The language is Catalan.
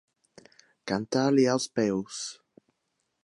Cantar-li els peus.